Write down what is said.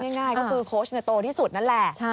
ง่ายก็คือโค้ชโตที่สุดนั่นแหละ